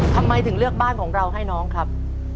ทำไมถึงเลือกบ้านของเราให้น้องครับ